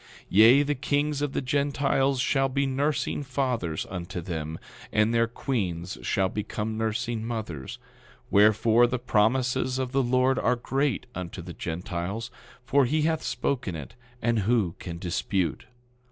10:9 Yea, the kings of the Gentiles shall be nursing fathers unto them, and their queens shall become nursing mothers; wherefore, the promises of the Lord are great unto the Gentiles, for he hath spoken it, and who can dispute?